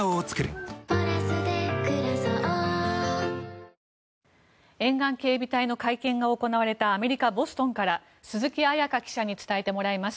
「タイタニック号」が沈む海底で沿岸警備隊の会見が行われたアメリカ・ボストンから鈴木彩加記者に伝えてもらいます。